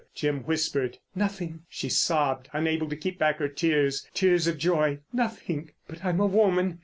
Jim whispered. "Nothing," she sobbed, unable to keep back her tears—tears of joy. "Nothing—but I'm a woman.